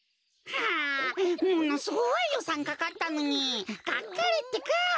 ものすごいよさんかかったのにがっかりってか。